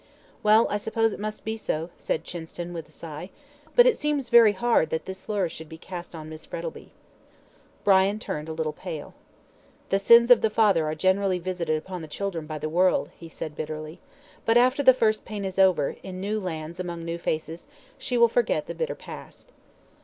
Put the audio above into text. "Well, I suppose it must be so," said Chinston, with a sigh, "but it seems very hard that this slur should be cast upon Miss Frettlby." Brian turned a little pale. "The sins of the father are generally visited upon the children by the world," he said bitterly. "But after the first pain is over, in new lands among new faces, she will forget the bitter past."